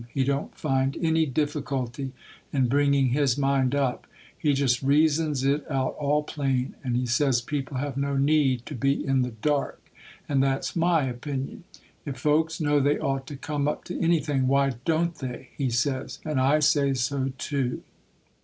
He don't find any difficulty in bringing his mind up; he just reasons it out all plain; and he says, people have no need to be in the dark; and that's my opinion. "If folks know they ought to come up to anything, why don't they?" he says; and I say so too.